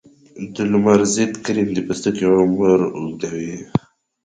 د لمر ضد کریم د پوستکي عمر اوږدوي.